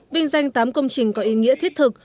vinh danh tám công trình có ý nghĩa thiết thực